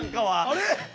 あれ？